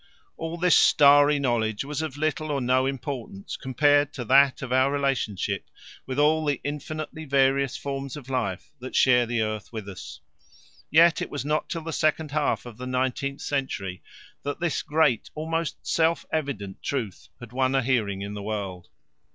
All this starry knowledge was of little or no importance compared to that of our relationship with all the infinitely various forms of life that share the earth with us. Yet it was not till the second half of the nineteenth century that this great, almost self evident truth had won a hearing in the world!